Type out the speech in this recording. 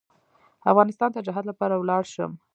افغانستان ته جهاد لپاره ولاړ شم.